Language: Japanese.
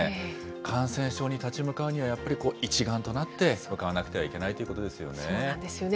感染症に立ち向かうには、やっぱり一丸となって向かわなくてはいけないということですよね。